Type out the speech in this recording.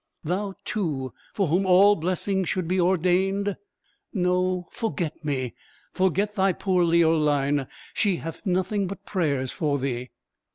Thou, too, for whom all blessings should be ordained? No, forget me; forget thy poor Leoline! She hath nothing but prayers for thee."